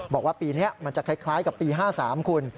บอกว่าปีนี้มันจะคล้ายกับปี๕๓คุณ